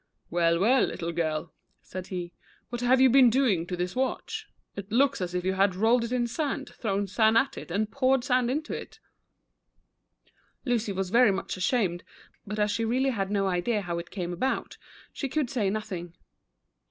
" Well, well, little girl," said he, "what have you been doing to this watch ? It looks as if you had rolled it in sand, thrown sand at it, and poured sand into it" Lucy was \en much ashamed, but as she really had no idea how it came about, she could say nothing.